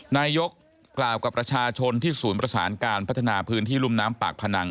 นายกกล่าวกับประชาชนที่ศูนย์ประสานการพัฒนาพื้นที่รุ่มน้ำปากพนัง